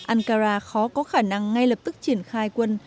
ankara khó có khả năng ngay lập tức triển khai quân